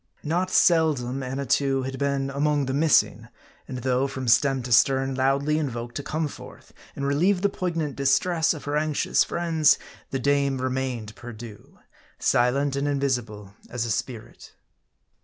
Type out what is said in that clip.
Not seldom Annatoo had been among the missing ; and though, from stem to stern, loudly invoked to come forth and relieve the poignant distress of her anxious friends, the dame remained perdu ; silent and invisible as a spirit.